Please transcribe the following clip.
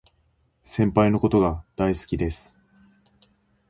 先輩のことが大好きです